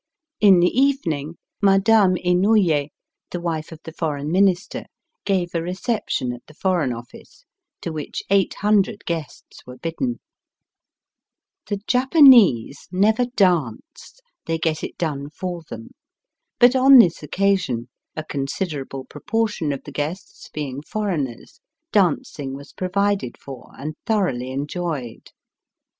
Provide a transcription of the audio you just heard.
In the evening Madame Inouye, the wife of the Foreign Minister, gave a reception at the Foreign Office, to which eight hundred Digitized by VjOOQIC THE mikado's birthday f^te. 227 guests were bidden. The Japanese never dance — they get it done for them. But on this occasion, a considerable proportion of the guests being foreigners, dancing was provided for and thoroughly enjoyed.